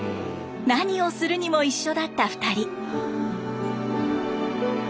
何をするにも一緒だった２人。